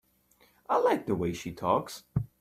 I like the way she talks.